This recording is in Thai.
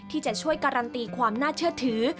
ที่จะช่วยการันตีความน่าเชื่อถือ